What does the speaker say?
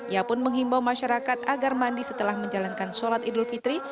ia pun menghimbau masyarakat agar mandi setelah menjalankan sholat idul fitri